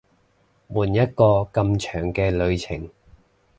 換一個咁長嘅旅程